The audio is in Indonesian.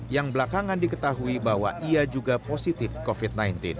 yang belakangan diketahui bahwa ia juga positif covid sembilan belas